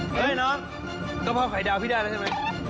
เฮ้ยน้องกระเพาะไข่ดาวพี่ได้แล้วใช่ไหม